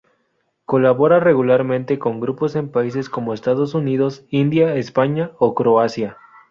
Colabora regularmente con grupos en países como Estados Unidos, India, España o Croacia.